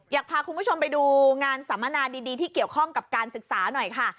อยากพาคุณผู้ชมไปดูงานสัมมนาดีที่เกี่ยวข้องกับการศึกษาหน่อยค่ะ